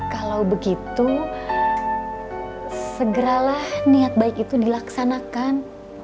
kalau begitu segeralah niat baik itu dilaksanakan